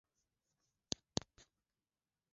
Wale walioingia Thailand kisheria na wanataka kubakia